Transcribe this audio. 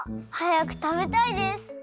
はやくたべたいです！